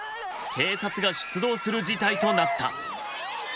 警察が出動する事態となった。